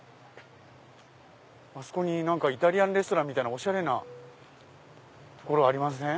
あそこにイタリアンレストランみたいなおしゃれな所ありません？